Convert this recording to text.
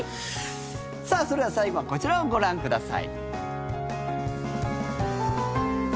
さあ、それでは最後はこちらをご覧ください。